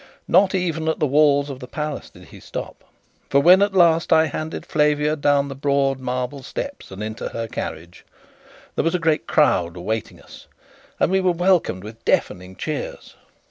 Not even at the walls of the Palace did he stop; for when at last I handed Flavia down the broad marble steps and into her carriage, there was a great crowd awaiting us, and we were welcomed with deafening cheers.